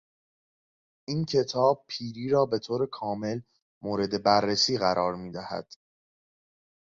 این کتاب پیری را به طور کامل مورد بررسی قرار میدهد.